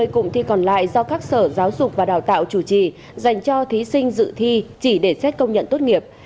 ba mươi cụm thi còn lại do các sở giáo dục và đào tạo chủ trì dành cho thí sinh dự thi chỉ để xét công nhận tốt nghiệp